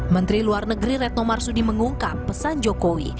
menteri luar negeri retno marsudi mengungkap pesan jokowi